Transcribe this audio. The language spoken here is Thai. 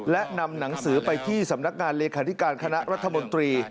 และนำหนังสือไปที่สำนักงานเลขาธิการคณะรัฐมนตรี